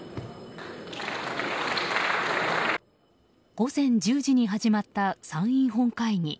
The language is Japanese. ⁉午前１０時に始まった参院本会議。